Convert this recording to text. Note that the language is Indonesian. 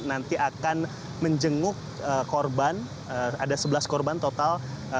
nanti akan menjenguk korban ada sebelas korban total